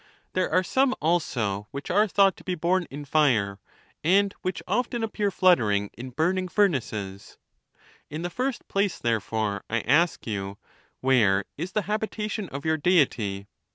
There are some, also, which are thought to be born in fire, and which often appear fluttering in burn ing furnaces. In the first place, therefore, I ask you, Where is the hab itation of your Deity